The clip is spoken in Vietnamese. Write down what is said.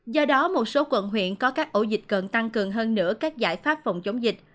do đó một số quận huyện có các ổ dịch cần tăng cường hơn nữa các giải pháp phòng chống dịch